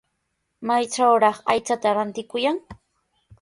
¿Maytrawraq aychata rantikuyan?